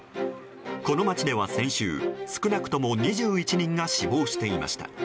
この街では先週、少なくとも２１人が死亡していました。